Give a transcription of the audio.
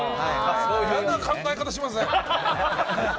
嫌な考え方しますね。